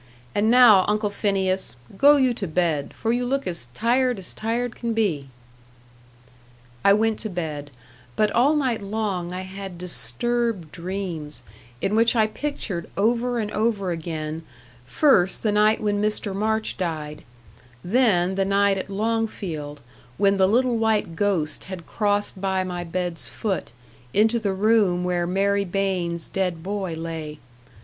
And now, Uncle Phineas, go you to bed, for you look as tired as tired can be." I went to bed; but all night long I had disturbed dreams, in which I pictured over and over again, first the night when Mr. March died then the night at Longfield, when the little white ghost had crossed by my bed's foot, into the room where Mary Baines' dead boy lay.